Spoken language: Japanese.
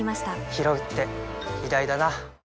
ひろうって偉大だな